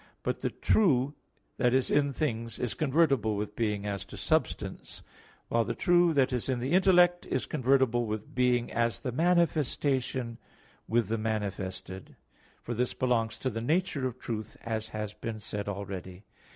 1). But the true that is in things is convertible with being as to substance; while the true that is in the intellect is convertible with being, as the manifestation with the manifested; for this belongs to the nature of truth, as has been said already (A.